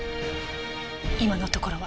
今のところは。